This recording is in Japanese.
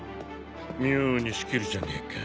妙に仕切るじゃねえか。